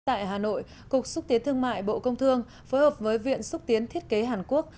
tại hà nội cục xúc tiến thương mại bộ công thương phối hợp với viện xúc tiến thiết kế hàn quốc